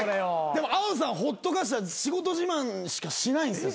でも青さんほっとかしたら仕事自慢しかしないんですよ。